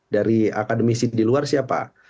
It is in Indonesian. dari akademisi di luar siapa